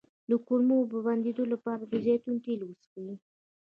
د کولمو د بندیدو لپاره د زیتون تېل وڅښئ